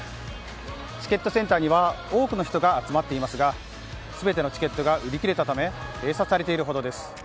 チケットセンターには多くの人が集まっていますが、すべてのチケットが売り切れたため、閉鎖されているほどです。